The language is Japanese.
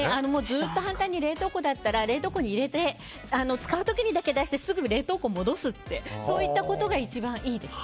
ずっと冷凍庫だったら冷凍庫に入れて使う時だけ出してすぐ冷凍庫に戻すといったことが一番いいです。